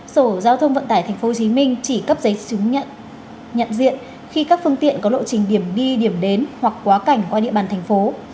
sở giao thông vận tải tp hcm chỉ cấp giấy chứng nhận nhận diện khi các phương tiện có lộ trình điểm đi điểm đến hoặc quá cảnh qua địa bàn thành phố